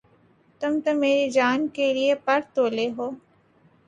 تم تو میری جان لینے پر تُلے ہو